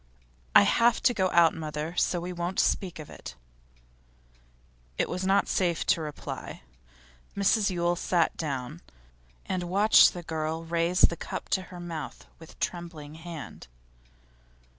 'I have to go out, mother, so we won't speak of it.' It was not safe to reply. Mrs Yule sat down, and watched the girl raise the cup to her mouth with trembling hand.